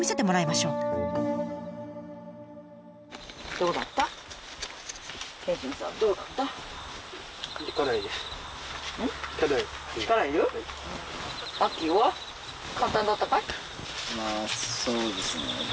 まあそうですね。